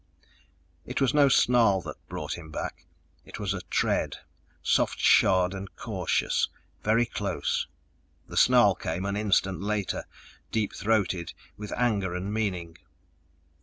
It was no snarl that brought him back it was a tread, soft shod and cautious, very close. The snarl came an instant later, deep throated with anger and meaning.